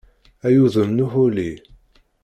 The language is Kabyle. Ay udem n uḥuli!